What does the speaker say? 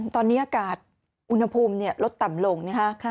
ตอนนี้อากาศอุณหภูมิลดต่ำลงนะฮะ